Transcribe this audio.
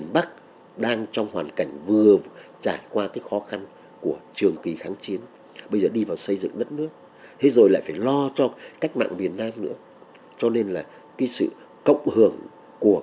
bác đã trải qua khó khăn của trường kỳ kháng chiến bây giờ đi vào xây dựng đất nước hay rồi lại phải lo cho cách mạng miền nam nữa